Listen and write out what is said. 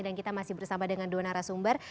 dan kita masih bersama dengan dua narasumber